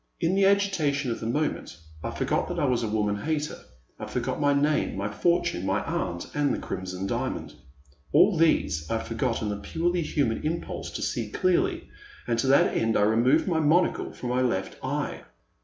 In the agitation of the moment I forgot that I was a woman hater, I forgot my name, my fortune, my aunt, and the Crimson Diamond — all these I for got in a purely human impulse to see clearly; and to that end I removed my monocle from my left eye.